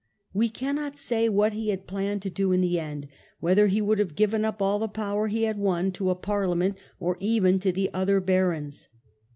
We cannot say what he had planned to do in the end, whether he would have given up all the power he had won to a parliament or even to the other barons.